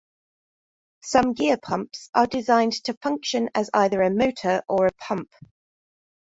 Some gear pumps are designed to function as either a motor or a pump.